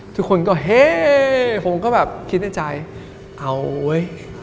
ทุกคนก็เฮ่ผมก็แบบคิดในใจเอาเว้ย